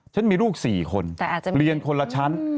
ฉันมีลูก๔คนเรียนคนละชั้น